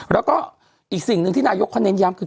แล้วก็อีกสิ่งหนึ่งที่นายกเขาเน้นย้ำคือ